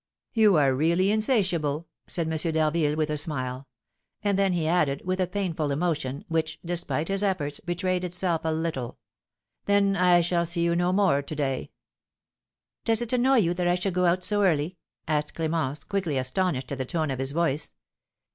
"You are really insatiable," said M. d'Harville, with a smile; and then he added, with a painful emotion, which, despite his efforts, betrayed itself a little, "Then I shall see you no more to day." "Does it annoy you that I should go out so early?" asked Clémence, quickly, astonished at the tone of his voice.